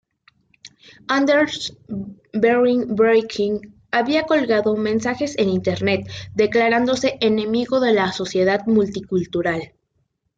Anders Behring Breivik había colgado mensajes en Internet declarándose enemigo de la sociedad multicultural.